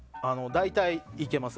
大体、いけます。